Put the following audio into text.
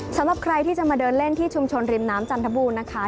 สำหรับใครที่จะมาเดินเล่นที่ชุมชนริมน้ำจันทบูรณนะคะ